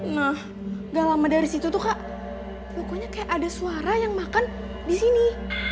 nah gak lama dari situ tuh kak pokoknya kayak ada suara yang makan di sini